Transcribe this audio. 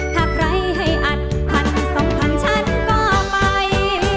ถ้าใครให้อัดพันสองพันฉันก็ไป